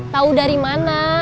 tahu dari mana